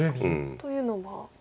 というのは？